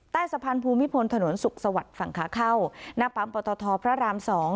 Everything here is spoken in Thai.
ใต้สะพานภูมิพลถนนสุขสวัสดิ์ฝั่งขาเข้าหน้าปั๊มปตทพระราม๒